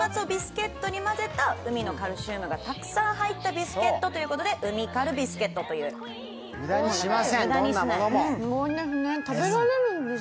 その粉末をビスケットに混ぜた、カルシウムがたくさん入ったビスケットということでウミカルビスケットです。